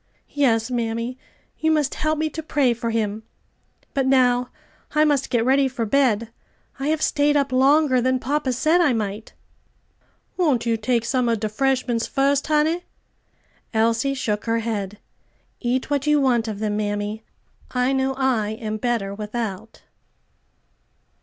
"Yes, mammy, you must help me to pray for him. But now I must get ready for bed; I have stayed up longer than papa said I might." "Won't you take some of de 'freshments fust, honey?" Elsie shook her head. "Eat what you want of them, mammy. I know I am better without."